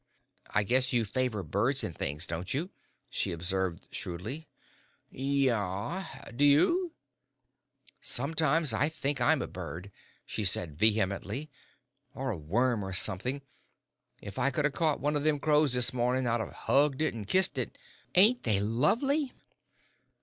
"I guess you favour birds an' things, don't you?" she observed, shrewdly. "Yaw do you?" "Sometimes I think I'm a bird," she said, vehemently, "or a worm or somethin'. If I could 'a' caught one o' them crows this mornin' I'd 'a' hugged it an' kissed it. Ain't they lovely?"